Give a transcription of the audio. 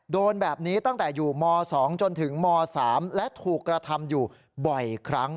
โดนแบบนี้ตั้งแต่อยู่ม๒จนถึงม๓และถูกกระทำอยู่บ่อยครั้ง